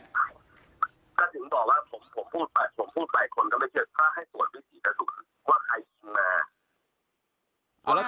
ถ้าถึงบอกว่าผมว่าพวก๔คนก็ไม่เวียด